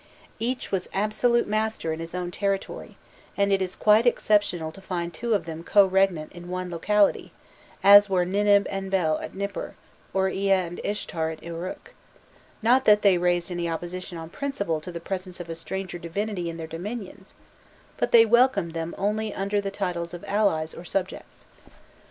Each was absolute master in his own territory, and it is quite exceptional to find two of them co regnant in one locality, as were Ninib and Bel at Nipur, or Ea and Ishtar in Uruk; not that they raised any opposition on principle to the presence of a stranger divinity in their dominions, but they welcomed them only under the titles of allies or subjects.